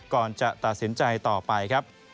ก่อนจะตัดสินใจต่อไปครับ